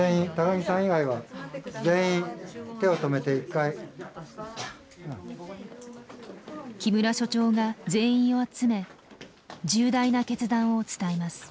木村所長が全員を集め重大な決断を伝えます。